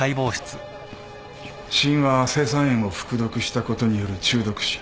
死因は青酸塩を服毒したことによる中毒死。